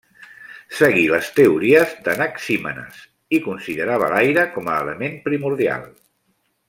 Seguí les teories d'Anaxímenes, i considerava l'aire com a element primordial.